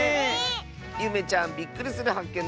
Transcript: ゆめちゃんびっくりするはっけん